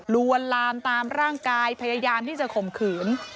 ลวนลามตามร่างกายพยายามที่จะข่มขืน